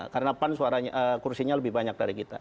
karena pan kursinya lebih banyak dari kita